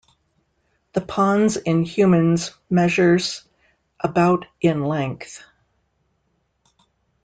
The pons in humans measures about in length.